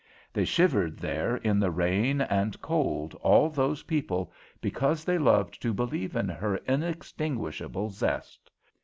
They shivered there in the rain and cold, all those people, because they loved to believe in her inextinguishable zest.